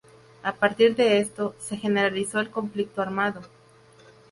A partir de esto, se generalizó el conflicto armado.